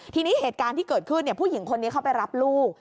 ทีนี้เหตุการณ์ที่เกิดขึ้นผู้หญิงคนนี้เขาไปรับลูก